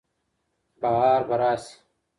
بهار به راشي.